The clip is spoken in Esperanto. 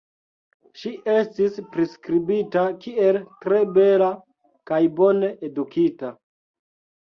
Ŝi estis priskribita kiel tre bela kaj bone edukita.